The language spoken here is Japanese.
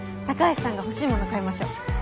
高橋さんが欲しいもの買いましょう。